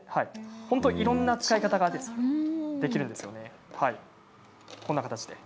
本当にいろいろな使い方ができるんですよね。